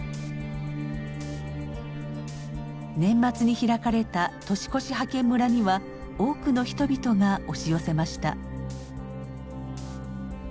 年末に開かれた年越し派遣村には多くの人々が押し寄せました。